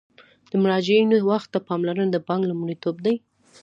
د مراجعینو وخت ته پاملرنه د بانک لومړیتوب دی.